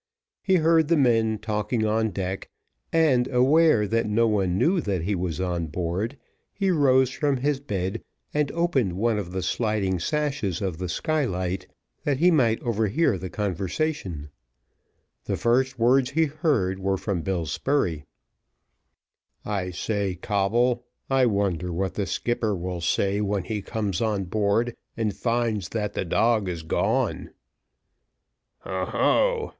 He heard the men talking on deck, and aware that no one knew that he was on board, he rose from his bed, and opened one of the sliding sashes of the skylight, that he might overhear the conversation. The first words he heard were from Bill Spurey. "I say, Coble, I wonder what the skipper will say when he comes on board, and finds that the dog is gone?"